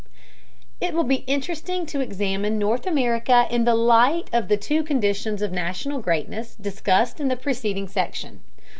It will be interesting to examine North America in the light of the two conditions of national greatness discussed in the preceding section.